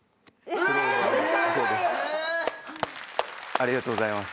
ありがとうございます。